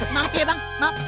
maaf ya bang